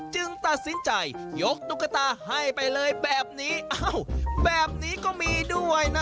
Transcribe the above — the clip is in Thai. จึงตัดสินใจยกตุ๊กตาให้ไปเลยแบบนี้อ้าวแบบนี้ก็มีด้วยนะ